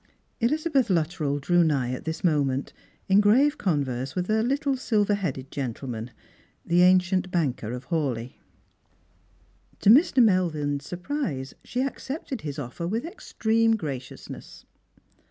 Elizabeth Luttrell drew nigh at this moment, in grave con verse with a little silver headed gentleman, the ancient banker of Hawleigh. To Mr. Melvin's surprise, she accepted his offer with extreme graciousness.